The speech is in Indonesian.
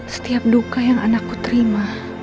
setiap duka yang anakku terima